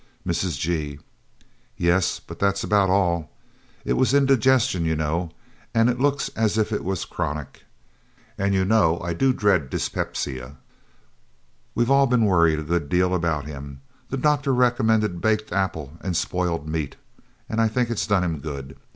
Mrs. G. "Yes, but that's about all. It was indigestion, you know, and it looks as if it was chronic. And you know I do dread dyspepsia. We've all been worried a good deal about him. The doctor recommended baked apple and spoiled meat, and I think it done him good.